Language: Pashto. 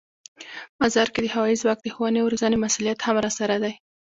مزار کې د هوايي ځواک د ښوونې او روزنې مسوولیت هم راسره دی.